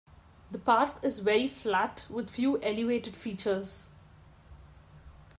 The park is very flat with few elevated features.